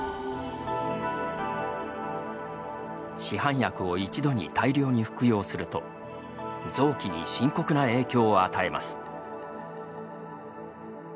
市販薬を一度に大量に服用すると臓器に深刻な影響を与えます。